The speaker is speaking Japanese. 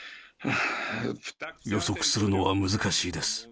予測するのは難しいです。